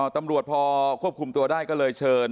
ตำรวจพอควบคุมตัวได้ก็เลยเชิญ